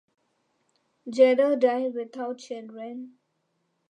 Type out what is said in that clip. Jether died without children.